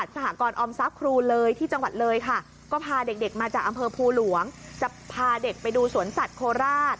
จากอำเภอภูหลวงจะพาเด็กไปดูสวนสัตว์โคราช